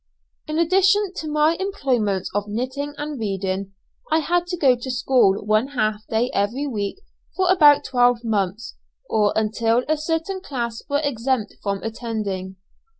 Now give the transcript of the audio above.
In addition to my employments of knitting and reading, I had to go to school one half day every week for about twelve months, or until a certain class were exempted from attending.